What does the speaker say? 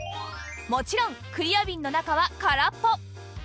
もちろんクリアビンの中は空っぽ